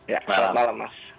ya selamat malam mas